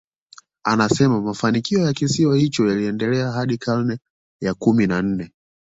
Anasema mafanikio ya kisiwa hicho yaliendelea hadi karne ya kumi na nne